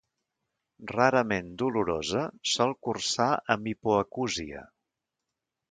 Rarament dolorosa, sol cursar amb hipoacúsia.